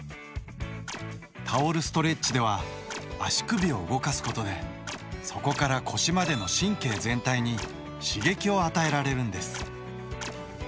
タオルストレッチでは足首を動かすことでそこから腰までの神経全体に刺激を与えられるんです。